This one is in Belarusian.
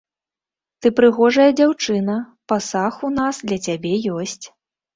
Ты прыгожая дзяўчына, пасаг у нас для цябе ёсць.